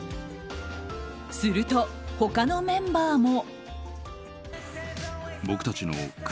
すると、他のメンバーも。